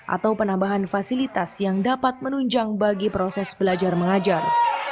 atau penambahan fasilitas yang dapat menunjang bagi proses belajar mengajar